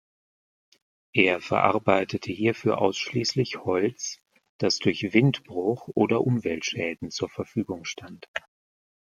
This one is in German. Er verarbeitete hierfür ausschließlich Holz, das durch Windbruch oder Umweltschäden zur Verfügung stand.